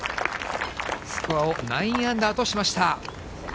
スコアを９アンダーとしました。